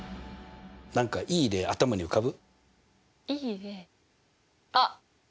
何かいい例頭に浮かぶ？